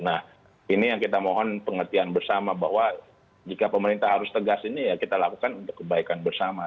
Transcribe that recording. nah ini yang kita mohon pengertian bersama bahwa jika pemerintah harus tegas ini ya kita lakukan untuk kebaikan bersama